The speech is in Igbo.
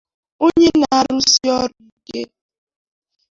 onye na-arụsi ọrụ ike